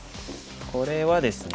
これはですね